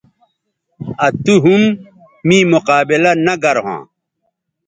آ تو ھم می مقابلہ نہ گرھواں